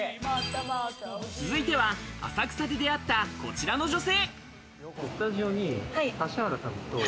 続いては浅草で出会ったこちらの女性。